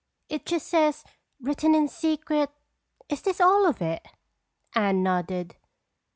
"It just says, 'written in secret—' Is this all of it?" Anne nodded.